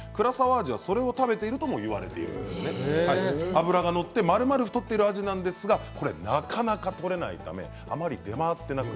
アジはそれを食べているともいわれているんですが脂が乗ってまるまる太っているアジなんですがなかなか取れないためあまり出回っていない。